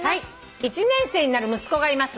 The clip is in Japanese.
「１年生になる息子がいます」